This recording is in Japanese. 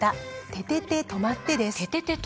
「ててて！とまって！」です。